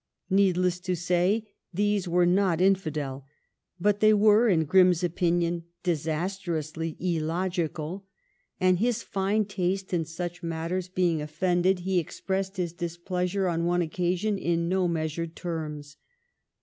Needless to say these were not infidel, but they were, in Grimm's opinion, disastrously illogical ; and, his fine taste in such matters being offended, he expressed his displeasure on one occasion in no measured terms.